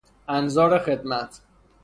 انظار خدمت